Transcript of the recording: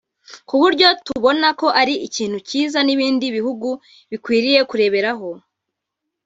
ku buryo tubona ko ari ikintu cyiza n’ibindi bihugu bikwiriye kureberaho